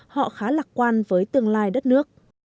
họ khá lạc quan với tương lai đất nước